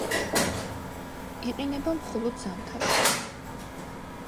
იყინება მხოლოდ ზამთარში.